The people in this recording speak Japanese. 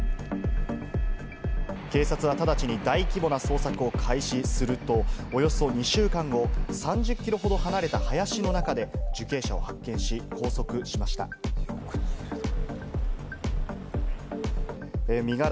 警察は直ちに大規模な捜索を開始すると、およそ２週間後、３０キロほど離れた林の中で、受刑者を発見し、チチンペイペイソフトバンク！待ってました！